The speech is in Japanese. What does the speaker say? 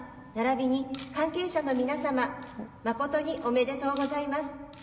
ならびに関係者の皆様誠におめでとうございます。